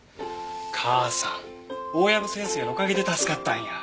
母さん大藪先生のおかげで助かったんや。